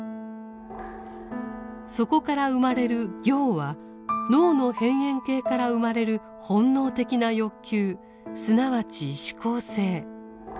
そこから生まれる「行」は脳の辺縁系から生まれる本能的な欲求すなわち志向性。